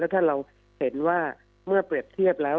ถ้าเราเห็นว่าเมื่อเปรียบเทียบแล้ว